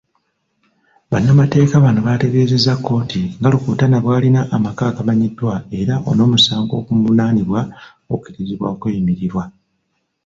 Bannamateeka bano bategeezezza kkooti nga Rukutuna bw'alina amaka agamanyiddwa era n'omusango ogumuvunaanibwa gukkirizibwa okweyimirirwa.